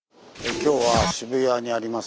今日は渋谷にあります